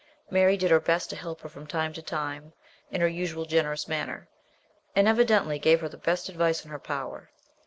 Mary did her best to help her from time to time in her usual generous manner, and evidently gave her the best advice in her power.